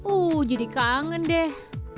uh jadi kangen deh